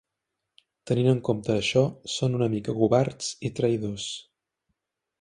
Tenint en compte això, són una mica covards i traïdors.